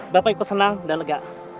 bapak ikut senang dan lega